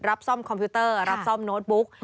ซ่อมคอมพิวเตอร์รับซ่อมโน้ตบุ๊ก